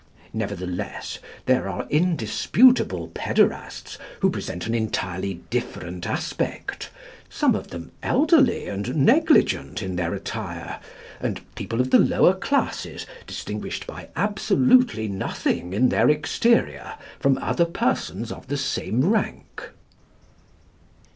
Nevertheless, there are indisputable pæderasts, who present an entirely different aspect, some of them elderly and negligent in their attire, and people of the lower classes, distinguished by absolutely nothing in their exterior from other persons of the same rank."